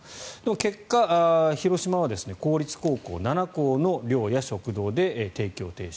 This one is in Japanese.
結果、広島は公立高校７校の寮や食堂で提供停止